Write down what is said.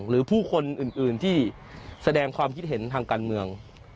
หรือผู้คนอื่นที่แสดงความคิดเห็นทางการเมือง